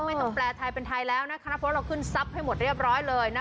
ต้องแปลไทยเป็นไทยแล้วนะคะเพราะเราขึ้นทรัพย์ให้หมดเรียบร้อยเลยนะ